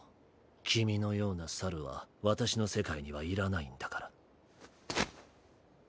君のような猿は私の世界にはいらないんだから。